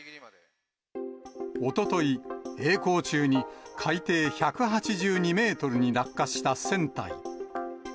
おととい、えい航中に海底１８２メートルに落下した船体。